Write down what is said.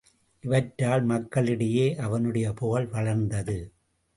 இவற்றால் மக்களிடையே அவனுடைய புகழ் வளர்ந்து வந்தது.